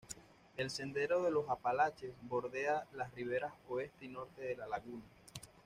El sendero de los Apalaches bordea las riberas oeste y norte de la laguna.